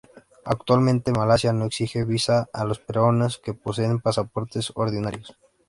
Actualmente, Malasia no exige visa a los peruanos que poseen pasaportes ordinarios.